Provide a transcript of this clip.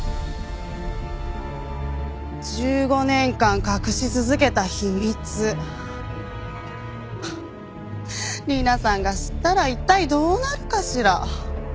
１５年間隠し続けた秘密理奈さんが知ったら一体どうなるかしら？